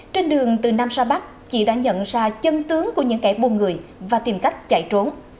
trên đường từ nam ra bắc chị đã nhận ra chân tướng của những kẻ buôn người và tìm cách chạy trốn